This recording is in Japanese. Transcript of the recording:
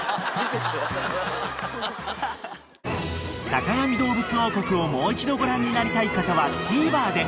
［『坂上どうぶつ王国』をもう一度ご覧になりたい方はＴＶｅｒで］